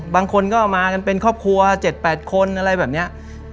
บางคนก็มากันเป็นครอบครัว๗๘คนอะไรแบบนี้